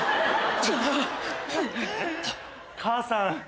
母さん。